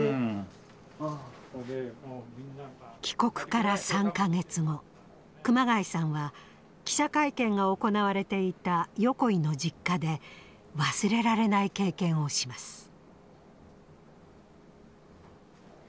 帰国から３か月後熊谷さんは記者会見が行われていた横井の実家で忘れられない経験をします。